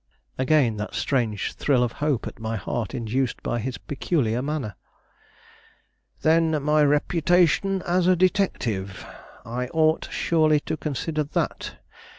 Again that strange thrill of hope at my heart induced by his peculiar manner. "Then my reputation as a detective! I ought surely to consider that.